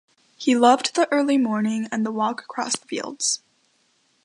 He loved the early morning, and the walk across the fields.